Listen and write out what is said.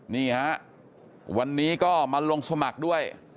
นี่ฮะวันนี้ก็มาลงสมัครด้วย